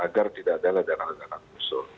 agar tidak ada ledakan ledakan musuh